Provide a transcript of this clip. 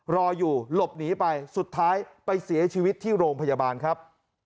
รออยู่หลบหนีไปสุดท้ายไปเสียชีวิตที่โรงพยาบาลครับ